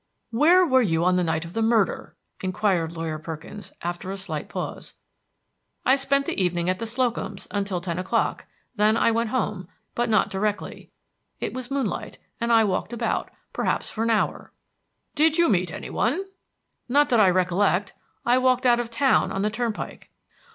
"Where were you on the night of the murder?" inquired Lawyer Perkins, after a slight pause. "I spent the evening at the Slocums', until ten o'clock; then I went home, but not directly. It was moonlight, and I walked about, perhaps for an hour." "Did you meet any one?" "Not that I recollect. I walked out of town, on the turnpike."